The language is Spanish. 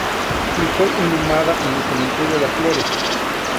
Y fue inhumada en el Cementerio Las Flores.